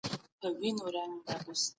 د عصبي سیستم فعالیت بیداري زیاتوي.